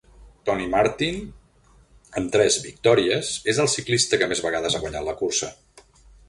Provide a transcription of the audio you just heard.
Tony Martin, amb tres victòries, és el ciclista que més vegades ha guanyat la cursa.